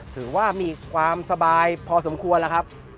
ถือว่ามีความสบายพอสมควรแล้วครับ